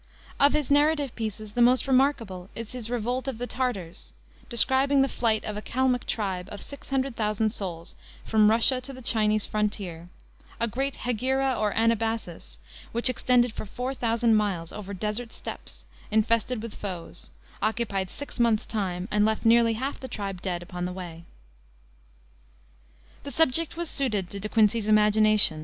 Of his narrative pieces the most remarkable is his Revolt of the Tartars, describing the flight of a Kalmuck tribe of six hundred thousand souls from Russia to the Chinese frontier: a great hegira or anabasis, which extended for four thousand miles over desert steppes infested with foes; occupied six months' time, and left nearly half of the tribe dead upon the way. The subject was suited to De Quincey's imagination.